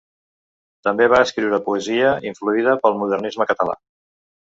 També va escriure poesia influïda pel modernisme català.